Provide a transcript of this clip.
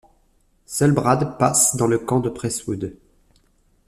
Seul Brad passe dans le camp de Presswood.